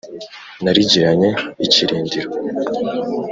narigiranye ikirindiro